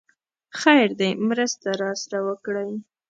خير دی! مرسته راسره وکړئ!